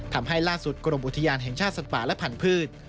ทำให้ล่าสุดกรมอุทยานแห่งชาติสัตว์ป่าและพันธุ์